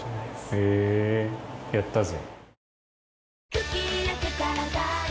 へぇやったぜ。